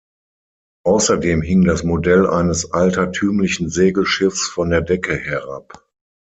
Außerdem hing das Modell eines altertümlichen Segelschiffs von der Decke herab.